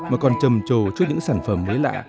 mà còn trầm trồ trước những sản phẩm mới lạ